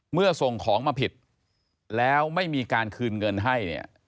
เมื่อส่งของมาผิดแล้วไม่มีการคืนเงินให้เนี่ย